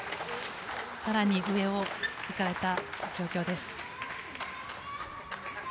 更に上をいかれた状況です。